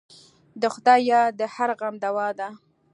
د خدای یاد د هر غم دوا ده.